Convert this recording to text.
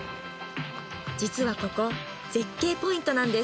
実はここ絶景ポイントなんです